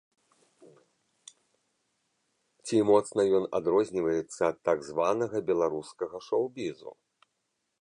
Ці моцна ён адрозніваецца ад так званага беларускага шоў-бізу?